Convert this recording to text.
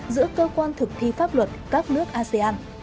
giữa cơ quan thực thi pháp luật các nước asean